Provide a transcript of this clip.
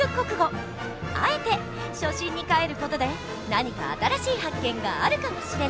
あえて初心にかえる事で何か新しい発見があるかもしれない！